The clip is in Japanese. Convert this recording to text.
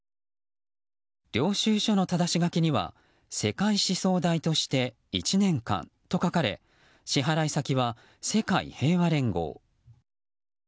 領収書の但し書きには「世界思想」代として１年間と書かれ支払先は、世界平和連合。